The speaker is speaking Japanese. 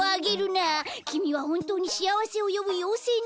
きみはほんとうにしあわせをよぶようせいなの？